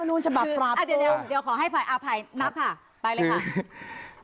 อ่ะเดี๋ยวขอให้ภายอาภัยนับค่ะไปเลยค่ะ